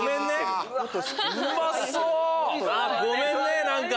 ごめんね何か。